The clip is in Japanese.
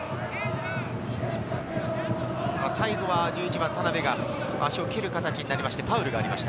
最後は１１番・田邉が足を蹴る形になりまして、ファウルがありました。